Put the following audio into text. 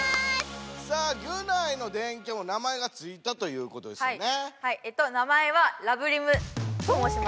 さあギュナイの電キャも名前がついたということですね。